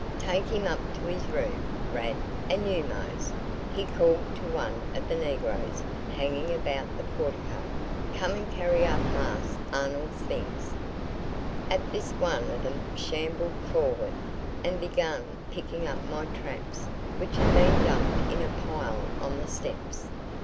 Take him up to his room, Rad and you Mose," he called to one of the negroes hanging about the portico, "come and carry up Marse Arnold's things." At this one of them shambled forward and began picking up my traps which had been dumped in a pile on the steps.